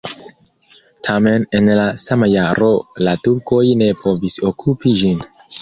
Tamen en la sama jaro la turkoj ne povis okupi ĝin.